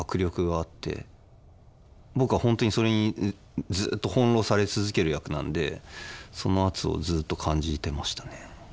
僕は本当にそれにずっと翻弄され続ける役なんでその圧をずっと感じてましたね。